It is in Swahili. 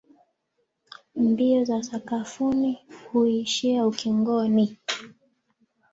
Mbio za sakafuni huishia ukingoni